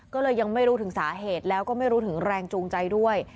ก็เลยยังไม่รู้ถึงสาเหตุแล้วก็ไม่รู้ถึงแรงจูงใจด้วย